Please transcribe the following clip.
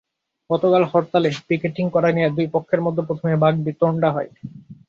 গতকাল হরতালে পিকেটিং করা নিয়ে দুই পক্ষের মধ্যে প্রথমে বাগিবতণ্ডা হয়।